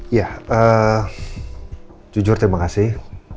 ya jujur terima kasih